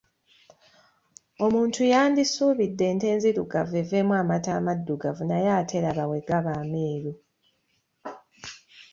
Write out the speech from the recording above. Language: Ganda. Omuntu yandisuubidde ente enzirugavu eveemu amata amaddugavu naye ate laba bwe gaba ameeru.